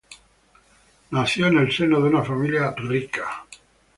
Nació en el seno de una familia rica.